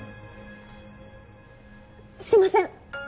すいません！